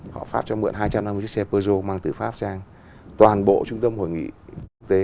họ pháp cho mượn hai trăm năm mươi chiếc xe peugeot mang từ pháp sang toàn bộ trung tâm hội nghị quốc tế